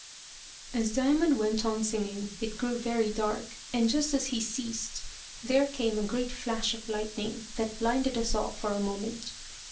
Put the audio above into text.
As Diamond went on singing, it grew very dark, and just as he ceased there came a great flash of lightning, that blinded us all for a moment.